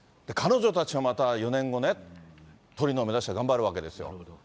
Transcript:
彼女たちがまた４年後ね、トリノを目指して頑張るわけですよ。